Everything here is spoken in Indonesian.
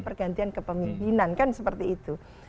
pergantian kepemimpinan kan seperti itu